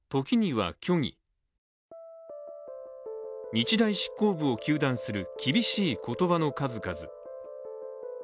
日大執行部を糾弾する厳しい言葉の数々。